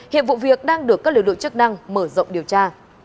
hiện vụ việc đang được các lực lượng chức năng mở rộng điều tra